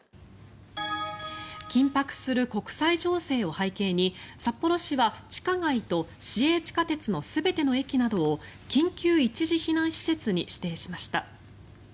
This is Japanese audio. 緊迫する国際情勢を背景に札幌市は地下街と市営地下鉄の全ての駅などを緊急一時避難施設に指定しました。